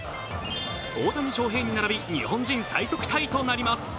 大谷翔平に並び日本人最速タイとなります。